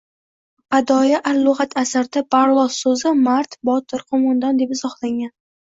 ”Badoi al-lug‘at “ asarida barlos so‘zi “mard, botir, qo‘mondon” deb izohlangan.